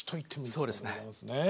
そうですね。